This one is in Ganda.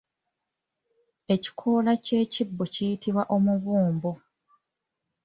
Ekikoola ky’ekibo kiyitibwa Omubumbu.